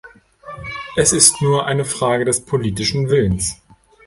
Es ist nur eine Frage des politischen Willens.